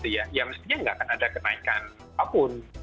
ya maksudnya tidak akan ada kenaikan apapun